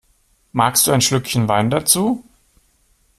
Magst du ein Schlückchen Wein dazu?